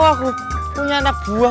aku punya anak buah